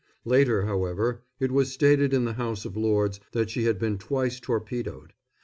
Later, however, it was stated in the House of Lords that she had been twice torpedoed.